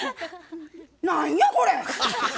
何やこれ！